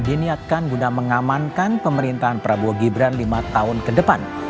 diniatkan guna mengamankan pemerintahan prabowo gibran lima tahun ke depan